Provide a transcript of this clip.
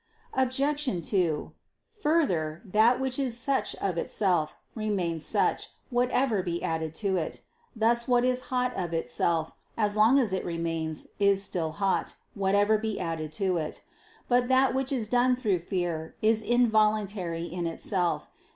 Obj. 2: Further, that which is such of itself, remains such, whatever be added to it: thus what is hot of itself, as long as it remains, is still hot, whatever be added to it. But that which is done through fear, is involuntary in itself.